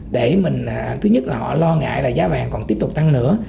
để mình thứ nhất là họ lo ngại là giá vàng còn tiếp tục tăng nữa